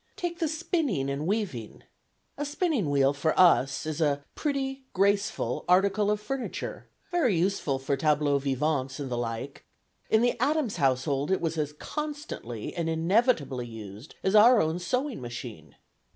Take the spinning and weaving! A spinning wheel, for us, is a pretty, graceful article of furniture, very useful for tableaux vivants and the like; in the Adams household it was as constantly and inevitably used as our own sewing machine.